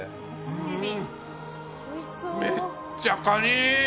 めっちゃカニー！